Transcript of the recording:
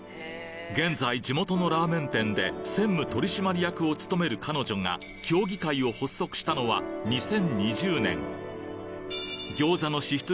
現在地元のラーメン店で専務取締役を務める彼女が協議会を発足したのは２０２０年餃子の支出